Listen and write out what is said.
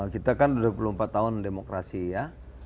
kita kan dua puluh empat tahun demokrasi ya